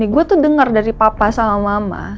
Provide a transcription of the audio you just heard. gue tuh dengar dari papa sama mama